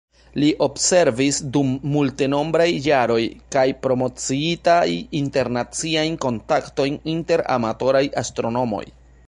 Li observis dum multenombraj jaroj kaj promociita internaciajn kontaktojn inter amatoraj astronomoj.